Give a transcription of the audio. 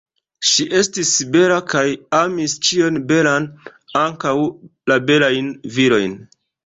Ŝi estis bela kaj amis ĉion belan, ankaŭ la belajn virojn.